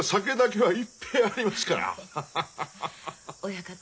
はい。